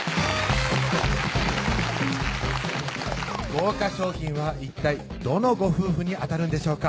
豪華賞品は一体どのご夫婦に当たるんでしょうか